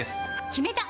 決めた！